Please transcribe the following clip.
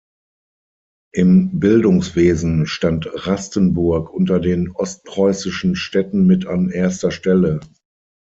Im Bildungswesen stand Rastenburg unter den ostpreußischen Städten mit an erster Stelle.